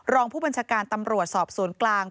รองผู้บัญชาการตำรวจสอบสวนกลาง